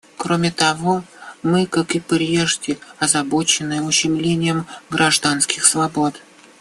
Кроме того, мы, как и прежде, озабочены ущемлением гражданских свобод.